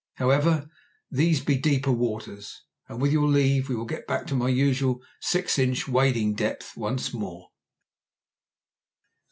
However, these be deeper waters, and with your leave we will get back into my usual six inch wading depth once more.